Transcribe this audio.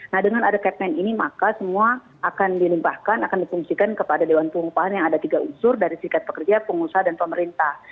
nah dengan ada captain ini maka semua akan dilumpahkan akan difungsikan kepada dewan pengupahan yang ada tiga unsur dari sikat pekerja pengusaha dan pemerintah